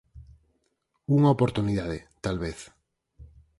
Unha oportunidade, tal vez.